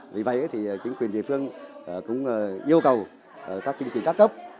vì vậy chính quyền địa phương cũng yêu cầu các chính quyền các cấp